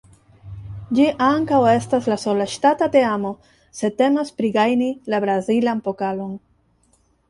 Ĝi ankaŭ estas la sola ŝtata teamo se temas pri gajni la Brazilan Pokalon.